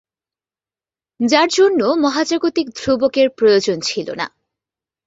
যার জন্য মহাজাগতিক ধ্রুবকের প্রয়োজন ছিলো না।